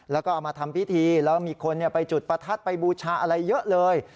แล้วก็เอามาทำพิธีแล้วมีคนไปจุดประทัดไปบูชาอะไรเยอะเลย